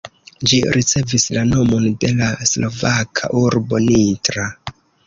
Ĝi ricevis la nomon de la slovaka urbo Nitra.